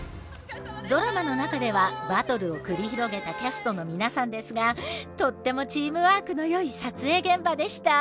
ドラマの中ではバトルを繰り広げたキャストの皆さんですがとってもチームワークのよい撮影現場でした。